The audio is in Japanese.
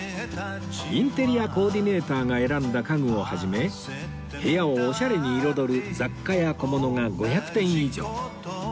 インテリアコーディネーターが選んだ家具を始め部屋をオシャレに彩る雑貨や小物が５００点以上